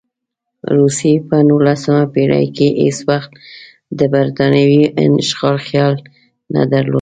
روسیې په نولسمه پېړۍ کې هېڅ وخت د برټانوي هند اشغال خیال نه درلود.